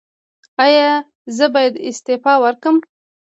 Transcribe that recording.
ایا زه باید استعفا ورکړم؟